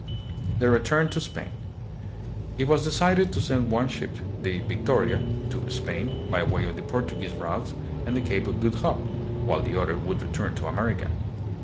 The Return to Spain. It was decided to send one ship, the "Victoria," to Spain by way of the Portuguese route and the Cape of Good Hope, while the other would return to America.